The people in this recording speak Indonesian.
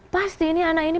pasti ini anak ini